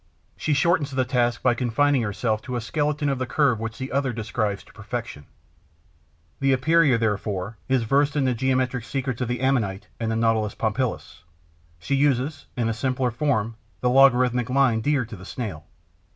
She shortens the task by confining herself to a skeleton of the curve which the other describes to perfection. The Epeira, therefore, is versed in the geometric secrets of the Ammonite and the Nautilus pompilus; she uses, in a simpler form, the logarithmic line dear to the Snail.